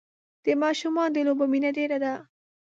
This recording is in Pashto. د ماشومان د لوبو مینه ډېره ده.